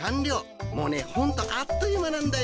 もうねホントあっという間なんだよ。